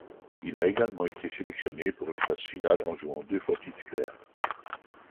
Il a également été sélectionné pour la phase finale, en jouant deux fois titulaire.